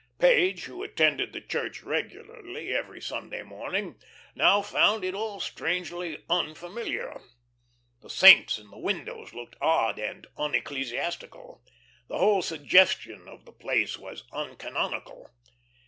Page, who attended the church regularly every Sunday morning, now found it all strangely unfamiliar. The saints in the windows looked odd and unecclesiastical; the whole suggestion of the place was uncanonical.